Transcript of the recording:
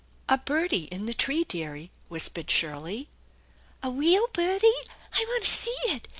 "A birdie in the tree, dearie !" whispered Shirley. "A weel budie! I yantta see it